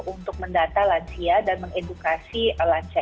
untuk mendata lansia dan mengedukasi lansia